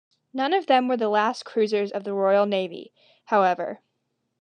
None of them were the last cruisers of the Royal Navy however.